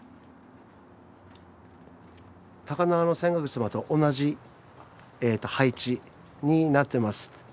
高輪の泉岳寺様と同じ配置になってます。